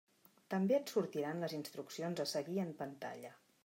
També et sortiran les instruccions a seguir en pantalla.